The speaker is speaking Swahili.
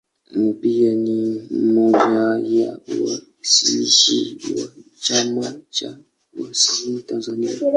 Pia ni mmoja ya waanzilishi wa Chama cha Wasanii Tanzania.